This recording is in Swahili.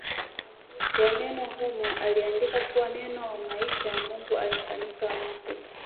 wa Neno humo aliandika kuwa Neno wa maishaMungu alifanyika mtu